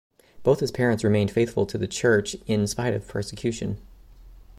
Both his parents remained faithful to the Church in spite of persecution.